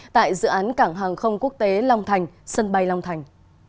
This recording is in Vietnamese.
tại dự án cảng hàng không quốc tế long thành sân bay long thành